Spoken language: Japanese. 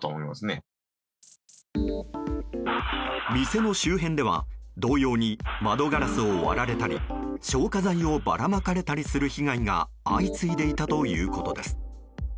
店の周辺では同様に窓ガラスを割られたり消火剤をばらまかれたりする被害が相次いでいたということです。